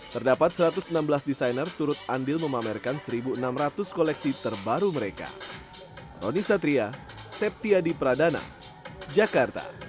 terdapat satu ratus enam belas desainer turut andil memamerkan satu enam ratus koleksi terbaru mereka